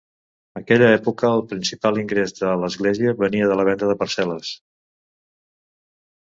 Aquella època, el principal ingrés de l'església venia de la venda de parcel·les.